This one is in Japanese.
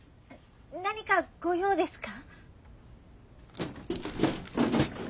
何かご用ですか？